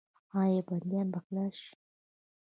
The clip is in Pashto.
آیا بندیان به خلاص شي؟